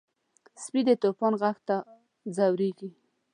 سپي د طوفان غږ ته ځورېږي.